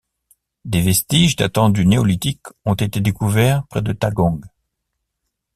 Des vestiges datant du Néolithique ont été découverts près de Tagaung.